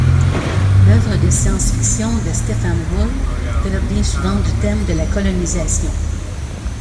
L'œuvre de science-fiction de Stefan Wul traite bien souvent du thème de la colonisation.